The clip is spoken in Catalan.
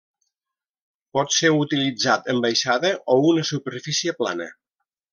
Pot ser utilitzat en baixada o una superfície plana.